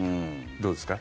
どうですか？